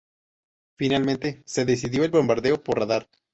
Finalmente, se decidió el bombardeo por radar.